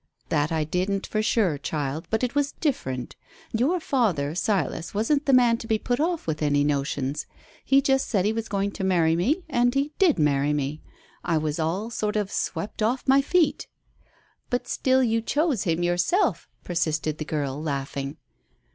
"That I didn't for sure, child, but it was different. Your father, Silas, wasn't the man to be put off with any notions. He just said he was going to marry me and he did marry me. I was all sort of swept off my feet." "But still you chose him yourself," persisted the girl, laughing.